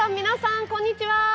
皆さんこんにちは。